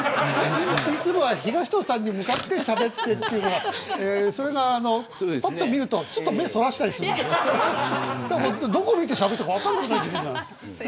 いつもは東野さんに向かってしゃべっているのがそれが、ぱっと見るとすっと目をそらしたりするのどこ見てしゃべっていいか分かんなくなるじゃない。